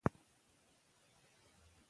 که ته هڅه وکړې نو خامخا به بریا ته ورسېږې.